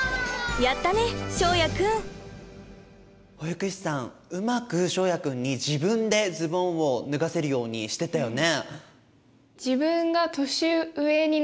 やったね翔也くん！保育士さんうまく翔也くんに自分でズボンを脱がせるようにしてたよね。